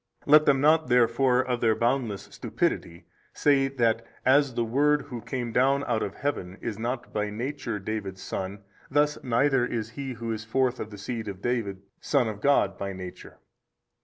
Let them not therefore of their boundless stupidity say that as the Word Who came down out of heaven is not by nature David's Son, thus neither is he who is forth of the seed of David Son of God by Nature.